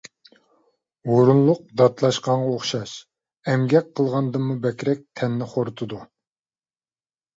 ھۇرۇنلۇق داتلاشقانغا ئوخشاش، ئەمگەك قىلغاندىنمۇ بەكرەك تەننى خورىتىدۇ.